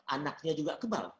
anaknya juga kebal